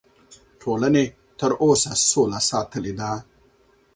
ټولنې تر اوسه سوله ساتلې ده.